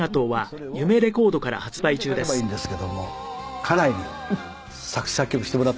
それを自分で書けばいいんですけども家内に作詞作曲してもらったんです。